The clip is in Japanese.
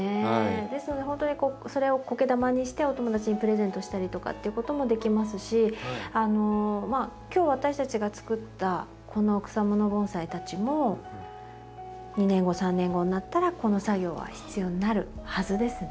ですのでほんとにそれをコケ玉にしてお友達にプレゼントしたりとかっていうこともできますし今日私たちがつくったこの草もの盆栽たちも２年後３年後になったらこの作業は必要になるはずですね。